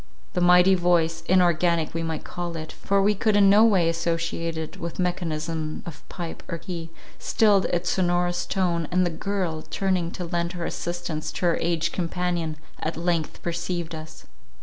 The mighty voice, inorganic we might call it, for we could in no way associate it with mechanism of pipe or key, stilled its sonorous tone, and the girl, turning to lend her assistance to her aged companion, at length perceived us.